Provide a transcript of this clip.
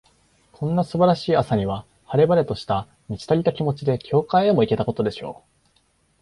こんな素晴らしい朝には、晴れ晴れとした、満ち足りた気持ちで、教会へも行けたことでしょう。